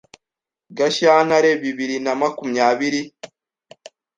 Gashyantere bibiri na makumyabiri